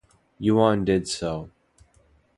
Yuan did so.